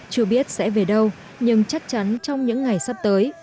chưa biết sẽ về đâu nhưng chắc chắn trong những ngày sắp tới